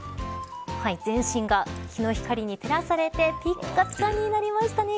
全身が日の光に照らされてぴっかぴかになりましたね。